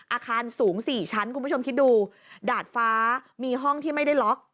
อาคารสูง๔ชั้นคุณผู้ชมคิดดูดาดฟ้ามีห้องที่ไม่ได้ล็อก